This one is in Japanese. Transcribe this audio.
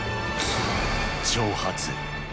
挑発。